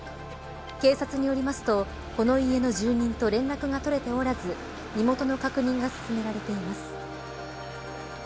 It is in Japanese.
警察によりますとこの家の住人と連絡が取れておらず身元の確認が進められています。